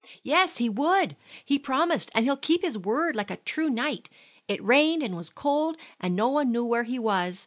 "Yes, he would! He promised, and he'll keep his word like a true knight. It rained and was cold, and no one knew where he was.